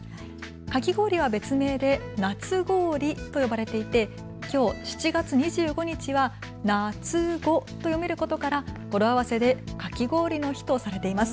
かき氷は別名で夏氷と呼ばれていてきょう７月２５日はなつごと読めることから語呂合わせでかき氷の日とされています。